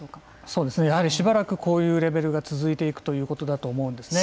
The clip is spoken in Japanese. そうですねやはりしばらくこういうレベルが続いていくということだと思うんですね。